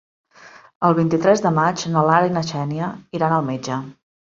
El vint-i-tres de maig na Lara i na Xènia iran al metge.